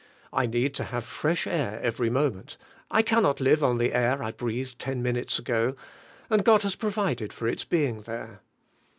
I need to have fresh air every moment, I cannot live on the air I breathed 10 minutes ago, and God has provided for its being there.